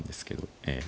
ええ。